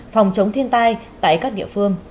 phòng chống thiên tai tại các địa phương